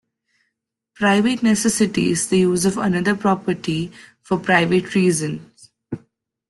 Private necessity is the use of another's property for private reasons.